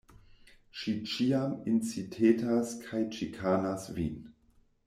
Ŝi ĉiam incitetas kaj ĉikanas vin!